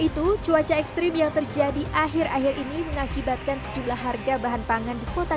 itu cuaca ekstrim yang terjadi akhir akhir ini mengakibatkan sejumlah harga bahan pangan di kota